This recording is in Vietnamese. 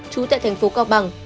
trú tại tp cao bằng